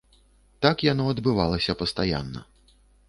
Так яно адбывалася пастаянна.